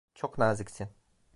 Çok naziksin.